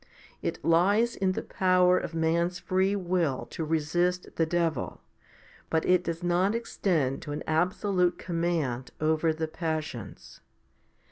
It lies in the power of man's free will to resist the devil, but it does not extend to an abso lute command over the passions.